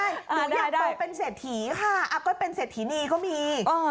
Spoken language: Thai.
หนูอยากโตเป็นเศรษฐีค่ะก็เป็นเศรษฐีนีก็มี